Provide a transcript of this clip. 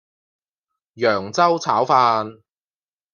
揚州炒飯